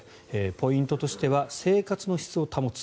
ポイントとしては生活の質を保つ。